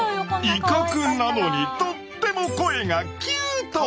威嚇なのにとっても声がキュート！